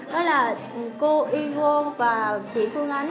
đó là cô yvonne và chị phương ánh